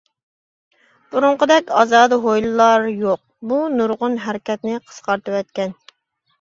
بۇرۇنقىدەك ئازادە ھويلىلار يوق بۇ نۇرغۇن ھەرىكەتنى قىسقارتىۋەتكەن.